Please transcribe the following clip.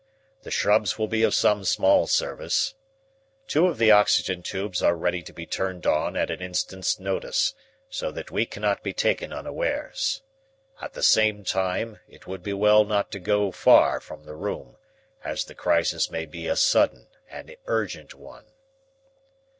The shrubs will be of some small service. Two of the oxygen tubes are ready to be turned on at an instant's notice, so that we cannot be taken unawares. At the same time, it would be well not to go far from the room, as the crisis may be a sudden and urgent one."